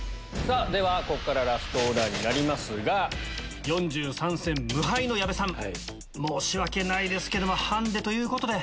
ではここからラストオーダーになりますが４３戦無敗の矢部さん申し訳ないですけどハンデということで。